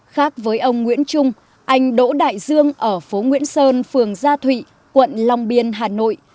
khác với ông nguyễn trung anh đỗ đại dương ở phố nguyễn sơn phường gia thụy quận long biên hà nội